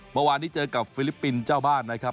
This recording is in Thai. เมื่อวานนี้เจอกับฟิลิปปินส์เจ้าบ้านนะครับ